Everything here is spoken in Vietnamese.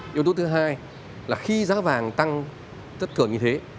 yếu tố thứ hai là khi giá vàng tăng thất thường như thế